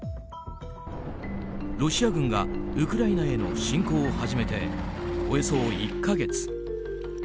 ロシア軍がウクライナへの侵攻を始めて、およそ１か月。